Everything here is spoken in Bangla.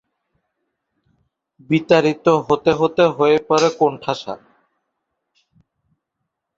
বিতাড়িত হতে হতে হয়ে পড়ে কোণঠাসা।